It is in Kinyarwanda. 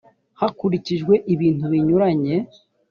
hakurikijwe ibintu binyuranye